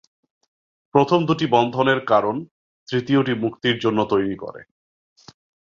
প্রথম দুটি বন্ধনের কারণ; তৃতীয়টি মুক্তির জন্য তৈরি করে।